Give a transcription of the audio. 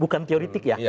bukan teoretik ya